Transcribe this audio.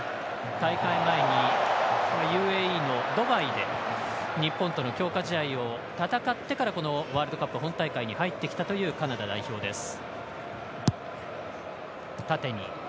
大会前にＵＡＥのドバイで日本との強化試合を戦ってからこのワールドカップ本大会に入ってきたというカナダ代表です。